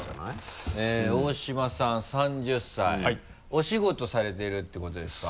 お仕事されてるってことですか？